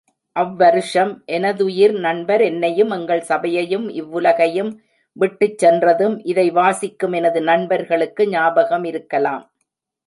அவ்வருஷம் எனதுயிர் நண்பர் என்னையும், எங்கள் சபையையும் இவ்வுலகையும் விட்டுச் சென்றதும், இதை வாசிக்கும் எனது நண்பர்களுக்கு ஞாபகமிருக்கலாம்.